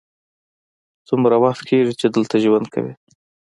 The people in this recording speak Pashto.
څومره وخت کیږی چې دلته ژوند کوې؟